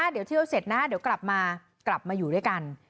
เดี๋ยวเที่ยวเสร็จนะเดี๋ยวกลับมากลับมาอยู่ด้วยกัน